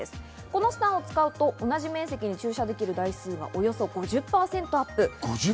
このＳｔａｎを使うと同じ面積に駐車できる台数がおよそ５０％アップ。